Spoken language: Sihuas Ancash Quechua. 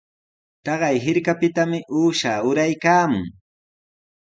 Taqay hirkapitami uusha uraykaamun.